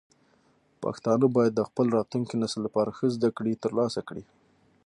پښتانه باید د خپل راتلونکي نسل لپاره ښه زده کړې ترلاسه کړي.